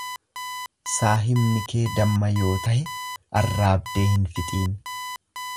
Saahibni kee damma yoo tahe arraabdee hin fixiin.